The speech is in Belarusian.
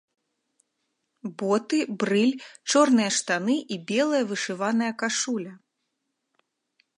Боты, брыль, чорныя штаны і белая вышываная кашуля!